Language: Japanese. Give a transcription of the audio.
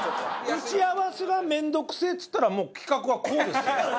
「打ち合わせが面倒くせえ」っつったらもう企画はこうですよ。